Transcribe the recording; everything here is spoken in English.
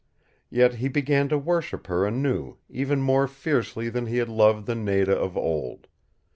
Yet he began to worship her anew, even more fiercely than he had loved the Nada of old.